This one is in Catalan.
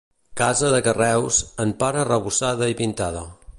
Casa de carreus, en part arrebossada i pintada.